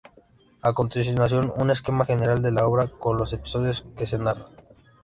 A continuación, un esquema general de la obra con los episodios que se narran.